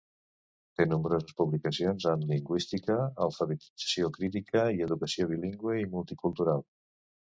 Té nombroses publicacions en lingüística, alfabetització crítica i educació bilingüe i multicultural.